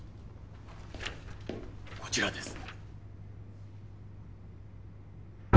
こちらです。